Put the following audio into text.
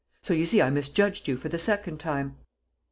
"So you see I misjudged you for the second time."